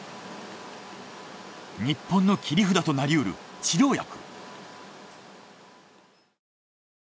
日本の切り札となりうる治療薬。